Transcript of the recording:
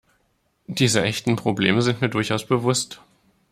Diese echten Probleme sind mir durchaus bewusst.